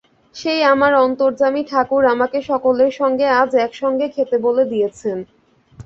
সেই আমার অন্তর্যামী ঠাকুর আমাকে সকলের সঙ্গে আজ একসঙ্গে খেতে বলে দিয়েছেন।